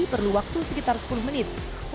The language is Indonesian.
perlu waktu sekitar sepuluh menit